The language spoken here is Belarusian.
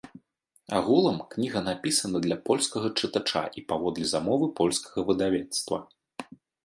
Агулам, кніга напісана для польскага чытача і паводле замовы польскага выдавецтва.